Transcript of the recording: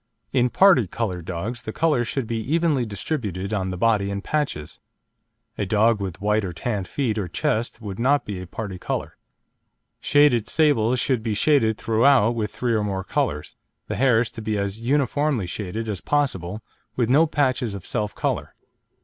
In parti coloured dogs the colours should be evenly distributed on the body in patches; a dog with white or tan feet or chest would not be a parti colour. Shaded sables should be shaded throughout with three or more colours, the hairs to be as "uniformly shaded" as possible, with no patches of self colour.